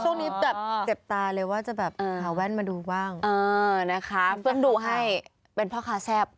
ช่วงนี้แบบเจ็บตาเลยว่าจะแบบ